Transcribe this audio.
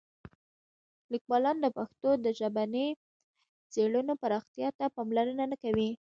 لیکوالان د پښتو د ژبني څېړنو پراختیا ته پاملرنه نه کوي.